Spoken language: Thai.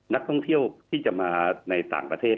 นักท่องเที่ยวที่จะมาในต่างประเทศ